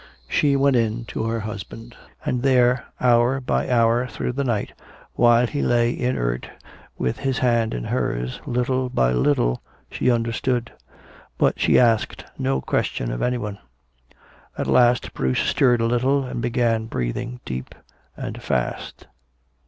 She went in to her husband. And there, hour by hour through the night, while he lay inert with his hand in hers, little by little she understood. But she asked no question of anyone. At last Bruce stirred a little and began breathing deep and fast.